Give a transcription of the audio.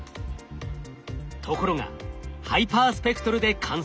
ところがハイパースペクトルで観測すると。